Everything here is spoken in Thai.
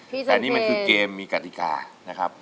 แต่นี่มันคือเกมมีกติกานะครับ